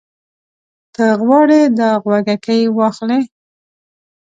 ته غواړې دا غوږيکې واخلې؟